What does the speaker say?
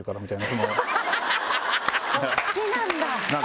そっちなんだ。